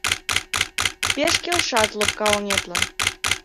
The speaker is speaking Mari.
Пеш келшат лопка оҥетлан